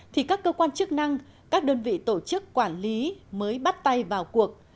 thì các cơ quan chức năng các đơn vị tổ chức quản lý mới bắt tay vào cuộc